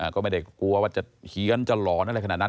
ก็ไม่ได้กลัวว่าจะเฮียนจะหลอนอะไรขนาดนั้น